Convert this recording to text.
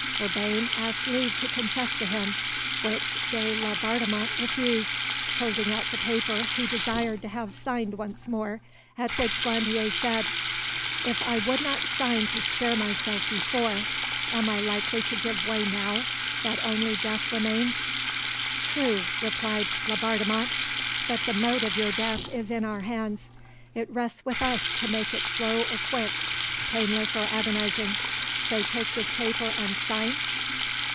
Urbain asked leave to confess to him, which de Laubardemont refused, holding out the paper he desired to have signed once more, at which Grandier said— "If I would not sign to spare myself before, am I likely to give way now that only death remains?" "True," replied Laubardemont; "but the mode of your death is in our hands: it rests with us to make it slow or quick, painless or agonising; so take this paper and sign?"